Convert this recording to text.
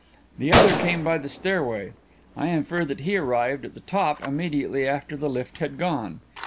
The other came by the stairway. I infer that he arrived at the top immediately after the lift had gone.